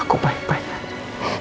aku baik baik aja